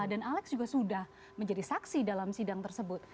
dan alex juga sudah menjadi saksi dalam sidang tersebut